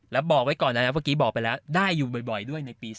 แล้วบอกไว้ก่อนนะครับเมื่อกี้บอกไปแล้วได้อยู่บ่อยด้วยในปี๒๕